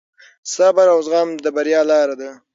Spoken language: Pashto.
صبر او زغم د بریا لار ده.